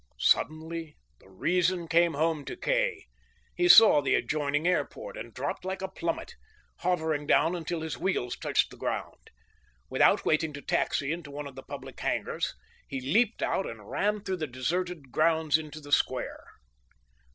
Suddenly the reason came home to Kay. He saw the adjoining airport, and dropped like a plummet, hovering down until his wheels touched the ground. Without waiting to taxi into one of the public hangars, he leaped out and ran through the deserted grounds into the square.